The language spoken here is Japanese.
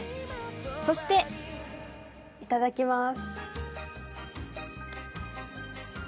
・そしていただきます。